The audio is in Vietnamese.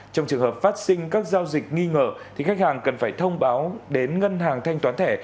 trong trường hợp phát sinh các giao dịch nghi ngờ thì khách hàng cần phải thông báo đến ngân hàng thanh toán thẻ